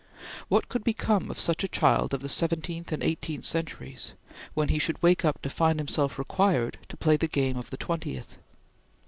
What could become of such a child of the seventeenth and eighteenth centuries, when he should wake up to find himself required to play the game of the twentieth?